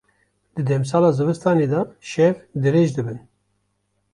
Di demsala zivistanê de, şev dirêj dibin.